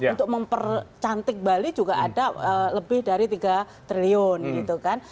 untuk mempercantik bali juga ada lebih dari tiga triliun gitu kan